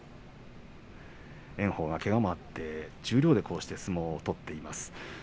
炎鵬はけがもあって十両で相撲を取っています。